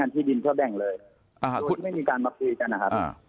งานที่ดินเข้าแบ่งเลยโดยไม่มีการบัคคลีกันนะครับ